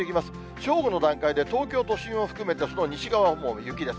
正午の段階で東京都心を含めたその西側はもう雪です。